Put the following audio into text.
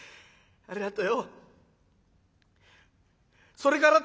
ありがとよ。